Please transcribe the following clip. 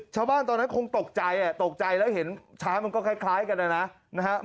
ชาวบ้านตอนนั้นคงตกใจแล้วเห็นช้ามันก็คล้ายกันนะนะฮะ